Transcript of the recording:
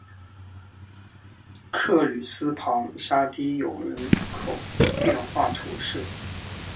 克吕斯旁沙提永人口变化图示